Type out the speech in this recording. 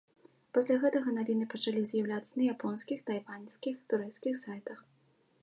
Пасля гэтага навіны пачалі з'яўляцца на японскіх, тайваньскіх, турэцкіх сайтах.